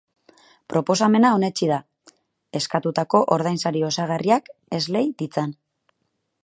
Proposamena onetsi da, eskatutako ordainsari osagarriak eslei ditzan.